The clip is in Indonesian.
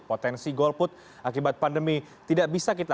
potensi golput akibat pandemi tidak bisa kita